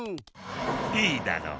いいだろう。